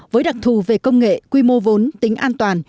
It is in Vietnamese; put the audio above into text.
với đặc thù về công nghệ quy mô vốn tính an toàn